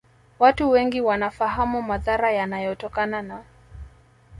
Watu wengi wanafahamu madhara yanayotokana na